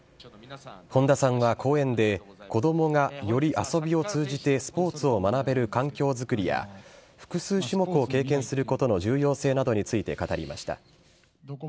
本田さんは講演で、子どもがより遊びを通じてスポーツを学べる環境作りや、複数種目を経験することの重要性などについて語りました。